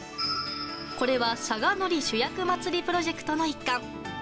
これは佐賀海苔主役祭りプロジェクトの一環。